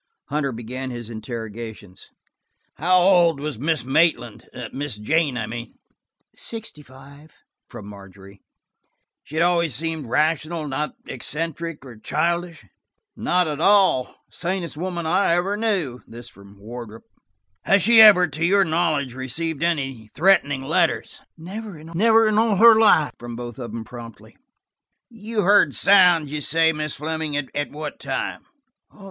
Hunter began his interrogations. "How old was Miss Maitland–Miss Jane, I mean ?" "Sixty five," from Margery. "She had always seemed rational ? Not eccentric, or childish ?" "Not at all; the sanest woman I ever knew." This from Wardrop. "Has she ever, to your knowledge, received any threatening letters?" "Never in all her life," from both of them promptly. "You heard sounds, you say, Miss Fleming. At what time?"